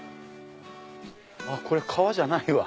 これ川じゃないわ。